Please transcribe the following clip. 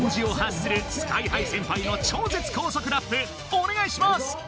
お願いします！